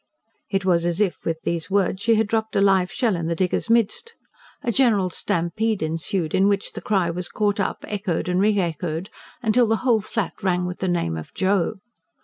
It was as if, with these words, she had dropped a live shell in the diggers' midst. A general stampede ensued; in which the cry was caught up, echoed and re echoed, till the whole Flat rang with the name of "Joe."